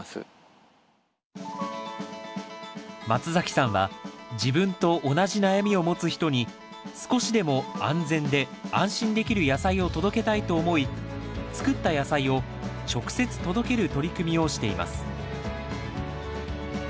松崎さんは自分と同じ悩みを持つ人に少しでも安全で安心できる野菜を届けたいと思い作った野菜を直接届ける取り組みをしています